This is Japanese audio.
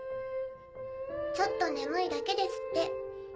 ちょっと眠いだけですって。